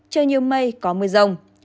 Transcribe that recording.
trời nhiều mây có mưa rông